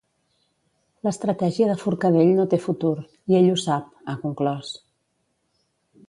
L'estratègia de Forcadell no té futur, i ell ho sap, ha conclòs.